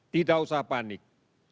tidak usah panik